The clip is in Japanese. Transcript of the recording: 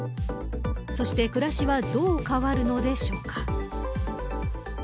そして暮らしはどう変わるのでしょうか。